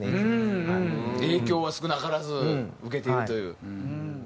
影響は少なからず受けているという。